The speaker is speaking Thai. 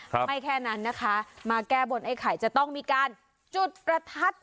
ไม่แค่นั้นนะคะมาแก้บนไอ้ไข่จะต้องมีการจุดประทัด